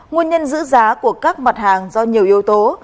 nguồn nhân giữ giá của các mặt hàng do nhiều yếu tố